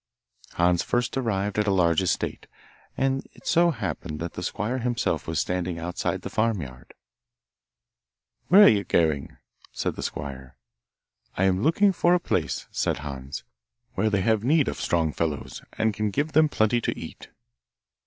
Hans first arrived at a large estate, and it so happened that the squire himself was standing outside the farmyard. 'Where are you going?' said the squire. 'I am looking for a place,' said Hans, 'where they have need of strong fellows, and can give them plenty to eat.